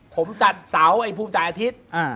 ผมจัดเสาไอ้ภูมิจ่ายอาทิตย์